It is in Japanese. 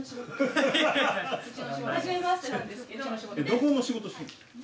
どこの仕事してんの？